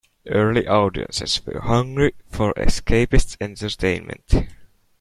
Early audiences were hungry for escapist entertainment.